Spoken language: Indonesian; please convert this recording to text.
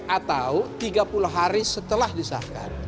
atau tiga puluh hari setelah disahkan